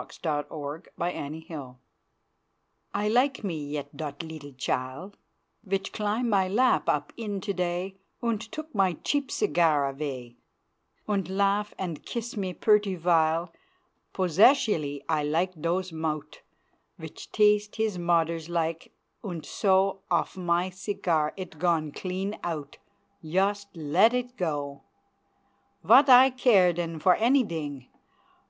Mr. Silberberg I like me yet dot leedle chile Vich climb my lap up in to day, Unt took my cheap cigair avay, Unt laugh and kiss me purty whvile, Possescially I like dose mout' Vich taste his moder's like unt so, Off my cigair it gone glean out Yust let it go! Vat I caire den for anyding?